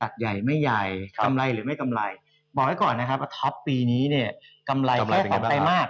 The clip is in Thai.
เท่ากับปีที่แล้วเลยนะ